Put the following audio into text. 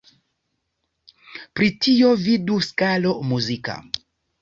Pri tio vidu skalo muzika.